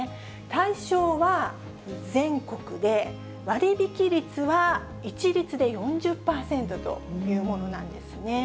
対象は全国で、割引率は一律で４０％というものなんですね。